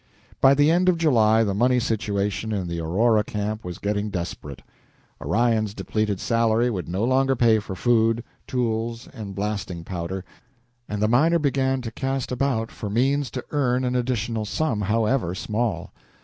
By the end of July the money situation in the Aurora camp was getting desperate. Orion's depleted salary would no longer pay for food, tools, and blasting powder, and the miner began to cast about far means to earn an additional sum, however small.